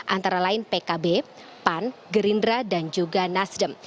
antara lain pkb pan gerindra dan juga nasdem